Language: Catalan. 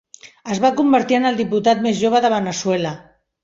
Es va convertir en el diputat més jove de Veneçuela.